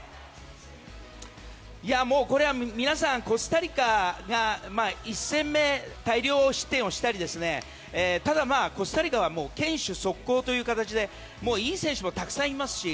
これは皆さんコスタリカが１戦目大量失点をしたりただ、コスタリカは堅守速攻という形でいい選手もたくさんいますし。